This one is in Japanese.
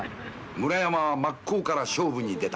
村山は真っ向から勝負に出た。